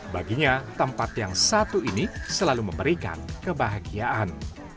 baginya tempat yang satu ini selalu memberikan kebahagiaan